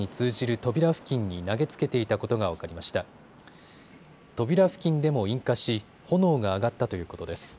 扉付近でも引火し、炎が上がったということです。